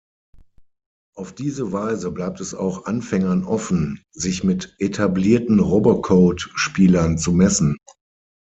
Auf diese Weise bleibt es auch Anfängern offen, sich mit etablierten Robocode-Spielern zu messen.